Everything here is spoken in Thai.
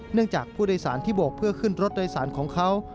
จากผู้โดยสารที่โบกเพื่อขึ้นรถโดยสารของเขา